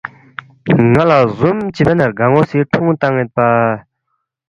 نالا زوم بین رگانو سی ٹھونگ تانید پا